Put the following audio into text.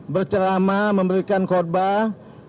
bercerama memberikan khutbah